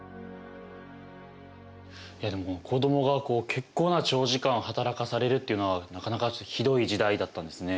いやでも子どもが結構な長時間働かされるっていうのはなかなかちょっとひどい時代だったんですね。